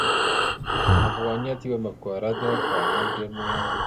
افغانیت یوه مفکوره ده، خو عمل ډېر مهم دی.